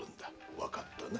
わかったな。